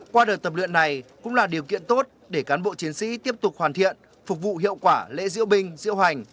qua đời tập luyện này cũng là điều kiện tốt để cán bộ chiến sĩ tiếp tục hoàn thiện phục vụ hiệu quả lễ diễu binh diễu hành